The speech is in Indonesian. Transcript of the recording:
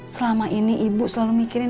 selama ini ibu selalu mikirin